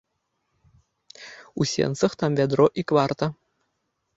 У сенцах там вядро і кварта.